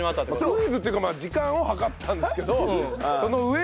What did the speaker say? クイズっていうかまあ時間を計ったんですけどその上で。